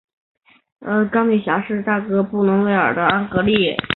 夏绿蒂与布伦威尔创作了有关安格利亚的文章及诗篇。